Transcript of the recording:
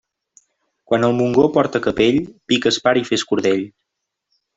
Quan el Montgó porta capell, pica espart i fes cordell.